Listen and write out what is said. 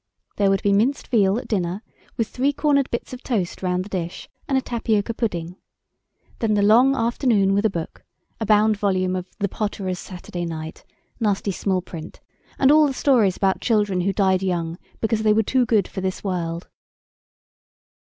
There would be minced veal at dinner, with three cornered bits of toast round the dish, and a tapioca pudding. Then the long afternoon with a book, a bound volume of the "Potterer's Saturday Night"—nasty small print—and all the stories about children who died young because they were too good for this world.